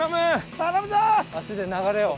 頼むぞ！